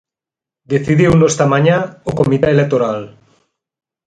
Decidiuno esta mañá o Comité Electoral.